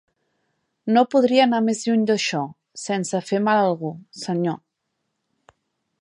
No podria anar més lluny d'això, sense fer mal a algú, senyor.